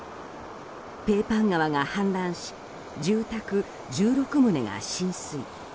ペーパン川が氾濫し住宅１６棟が浸水。